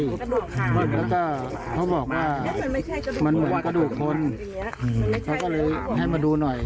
แล้วก็เขาบอกว่ามันเหมือนกระดูกคนอืมเขาก็เลยให้มาดูหน่อย